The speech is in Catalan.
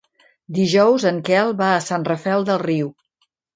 Dijous en Quel va a Sant Rafel del Riu.